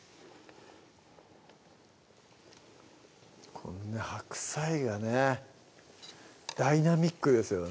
こんな白菜がねダイナミックですよね